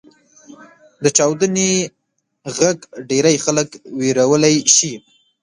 • د چاودنې ږغ ډېری خلک وېرولی شي.